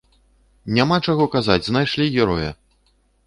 Няма чаго казаць, знайшлі героя!